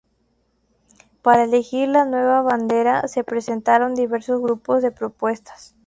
Para elegir la nueva bandera, se presentaron diversos grupos de propuestas.